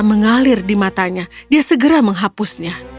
mengalir di matanya dia segera menghapusnya